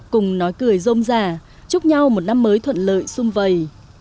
cùng nói cười rôm rà chúc nhau một năm mới thuận lợi xung vầy